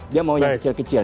dia maunya kecil kecil